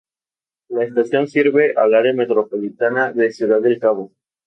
La estación sirve al área metropolitana de Ciudad del Cabo.